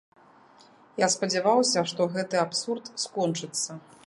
Я спадзяваўся, што гэты абсурд скончыцца.